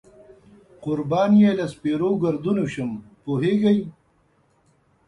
قربان یې له سپېرو ګردونو شم، پوهېږې.